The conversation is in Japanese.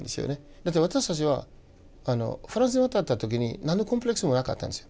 だって私たちはフランスへ渡った時になんのコンプレックスもなかったんですよ。